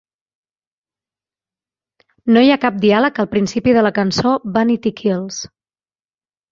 No hi ha cap diàleg al principi de la cançó "Vanity Kills".